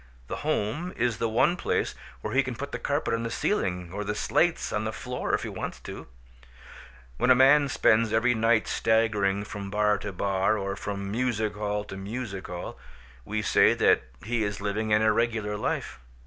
The home is the one place where he can put the carpet on the ceiling or the slates on the floor if he wants to. When a man spends every night staggering from bar to bar or from music hall to music hall, we say that he is living an irregular life.